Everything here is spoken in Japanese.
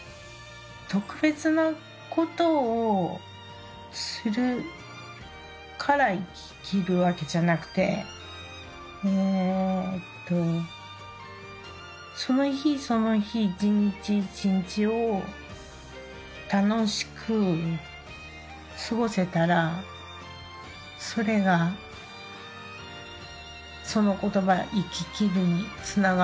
特別なことをするから生ききるわけじゃなくてえーっとその日その日一日一日を楽しく過ごせたらそれがその言葉「生ききる」につながるんだと思います。